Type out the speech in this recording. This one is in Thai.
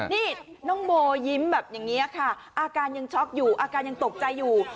นี่น้องโบยิ้มแบบอย่างนี้ค่ะอาการยังช็อกอยู่อาการยังตกใจอยู่